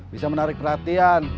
bisa menarik perhatian